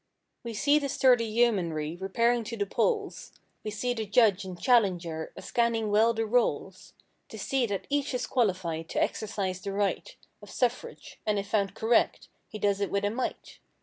We see the sturdy yeomanry repairing to the polls; We see the judge and challenger a scanning well the rolls To see that each is qualified to exercise the right Of suffrage, and if found "correct" he does it with a might.